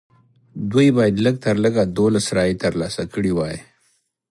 دوی باید لږ تر لږه دولس رایې ترلاسه کړې وای.